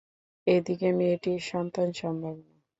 এ দিকে মেয়েটির সন্তান-সম্ভাবনা।